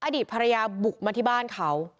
อดีตภรรยาบุกมาที่บ้านเขา